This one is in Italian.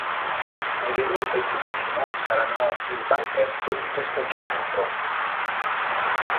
Marilù e Giustino saranno il banchetto di festeggiamento.